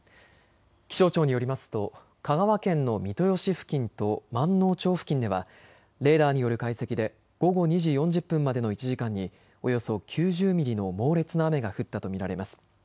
気象庁によりますと香川県の三豊市付近とまんのう町付近ではレーダーによる解析で午後２時４０分までの１時間におよそ９０ミリの猛烈な雨が降ったと見られます。